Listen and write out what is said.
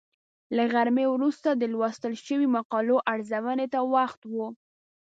له غرمې وروسته د لوستل شویو مقالو ارزونې ته وخت و.